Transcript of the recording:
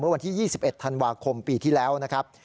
วันที่๒๑ธันวาคมปีที่แล้วนะครับ